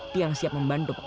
tiang siap membantu pekak